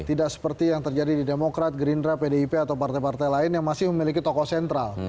tidak seperti yang terjadi di demokrat gerindra pdip atau partai partai lain yang masih memiliki tokoh sentral